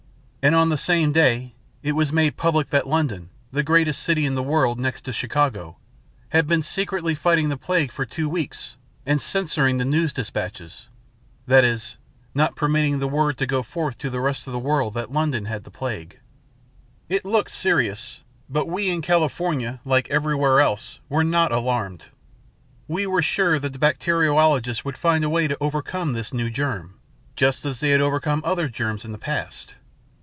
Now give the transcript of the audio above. And on the same day, it was made public that London, the greatest city in the world, next to Chicago, had been secretly fighting the plague for two weeks and censoring the news despatches that is, not permitting the word to go forth to the rest of the world that London had the plague. "It looked serious, but we in California, like everywhere else, were not alarmed. We were sure that the bacteriologists would find a way to overcome this new germ, just as they had overcome other germs in the past.